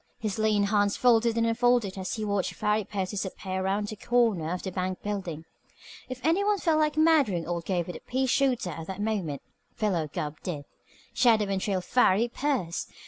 His lean hands folded and unfolded as he watched Farry Pierce disappear around the corner of the bank building. If any one felt like murdering old Gabe with a pea shooter at that moment, Philo Gubb did. Shadow and trail Farry Pierce!